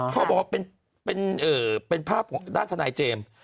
เขาบอกว่าเป็นภาพของด้านทนายเจมส์